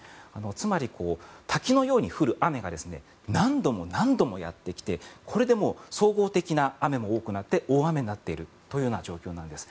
つまり、滝のように降る雨が何度も何度もやってきてこれでもう総合的な雨も多くなって大雨になっているというような状況なんです。